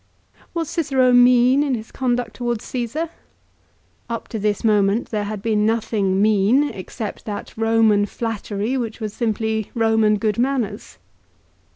Was Cicero mean in his conduct towards Csesar ? Up to this moment there had been nothing mean, except that Eoman flattery which was simply Roman good manners.